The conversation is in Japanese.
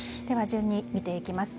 順に見ていきます。